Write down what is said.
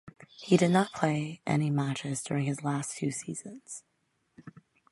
He did not play any matches during his last two seasons.